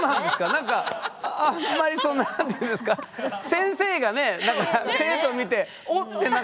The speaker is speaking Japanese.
何かあんまりその何ていうんですか先生がね生徒見て「おっ」て何かあんまり。